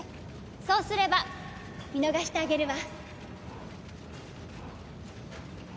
そうすれば見逃してあげるわ。